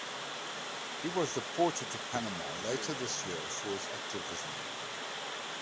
He was deported to Panama later that year for his activism.